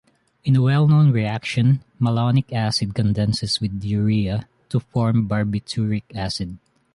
In a well-known reaction, malonic acid condenses with urea to form barbituric acid.